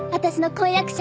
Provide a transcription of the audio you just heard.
婚約者。